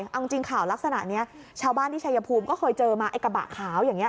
เอาจริงข่าวลักษณะนี้ชาวบ้านที่ชายภูมิก็เคยเจอมาไอ้กระบะขาวอย่างนี้